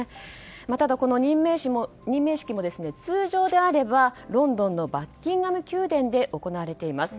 ただ、この任命式も通常であればロンドンのバッキンガム宮殿で行われています。